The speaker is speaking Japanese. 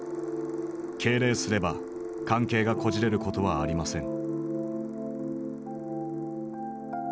敬礼すれば関係がこじれることはありません」。